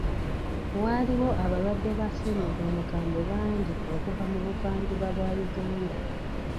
Waaliwo abalwadde ba ssennyiga omukambwe bangi okuva mu buvanjuba bwa Uganda.